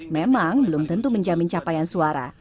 memang belum tentu menjamin capaian suara